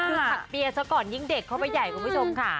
คือผักเปียซะก่อนยิ่งเด็กเข้าไปใหญ่คุณผู้ชมค่ะ